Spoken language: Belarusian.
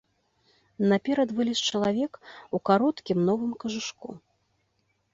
Наперад вылез чалавек у кароткім новым кажушку.